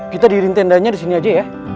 kita diirin tendanya disini aja ya